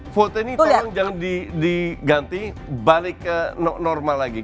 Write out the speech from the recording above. foto ini tolong jangan diganti balik ke normal lagi